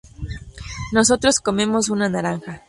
nosotros comemos una naranja